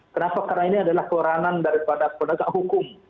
kenapa karena ini adalah peranan daripada pedagang hukum